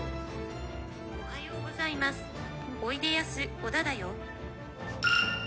おはようございます、おいでやす小田だよ。